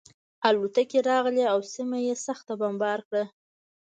الوتکې راغلې او سیمه یې سخته بمبار کړه